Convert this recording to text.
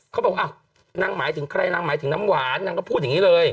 เขาบอกอ้าวนางหมายถึงใครนางหมายถึงน้ำหวานนางก็พูดอย่างนี้เลย